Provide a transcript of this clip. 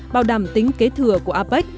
bảo đảm tính kế thừa của apec